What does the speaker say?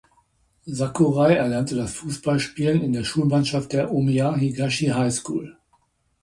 Sakurai erlernte das Fußballspielen in der Schulmannschaft der "Omiya Higashi High School".